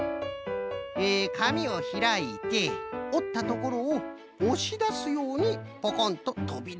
えかみをひらいておったところをおしだすようにポコンととびださせる。